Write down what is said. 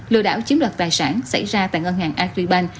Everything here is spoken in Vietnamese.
lừa đảo chiếm đoạt tài sản xảy ra tại ngân hàng agribank